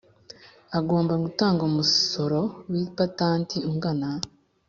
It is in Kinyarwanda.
agomba gutanga umusoro w ipatanti ungana